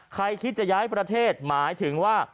คิดจะย้ายประเทศหมายถึงว่า